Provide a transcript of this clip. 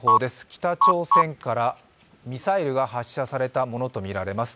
北朝鮮からミサイルが発射されたものとみられます。